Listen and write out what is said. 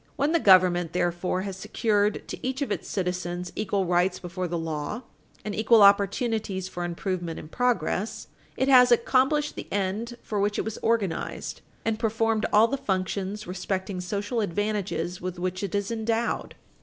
When the government, therefore, has secured to each of its citizens equal rights before the law and equal opportunities for improvement and progress, it has accomplished the end for which it was organized, and performed all of the functions respecting social advantages with which it is endowed."